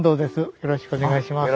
よろしくお願いします。